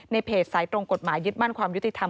เพจสายตรงกฎหมายยึดมั่นความยุติธรรม